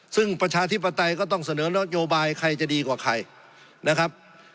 ซึ่งประชาธิปไตยก็ต้องเสนอนโยบายใครจะดีกว่าใครนะครับ